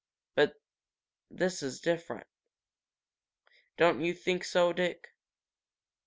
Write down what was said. But this is different. Don't you think so, Dick?"